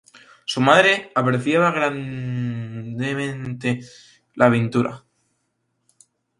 Su madre apreciaba grandemente la pintura.